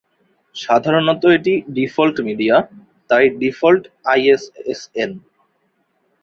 সাধারণত এটি "default media", তাই "ডিফল্ট আইএসএসএন"।